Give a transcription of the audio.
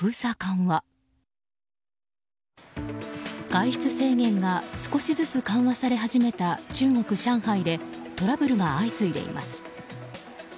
外出制限が少しずつ緩和され始めた中国・上海でトラブルが相次いでいます。